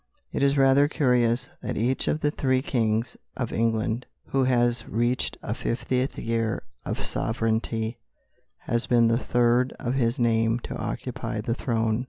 It is rather curious that each of the three kings of England who has reached a fiftieth year of sovereignty has been the third of his name to occupy the throne.